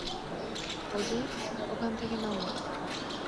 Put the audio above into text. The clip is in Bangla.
ওজে, ওখান থেকে নামো।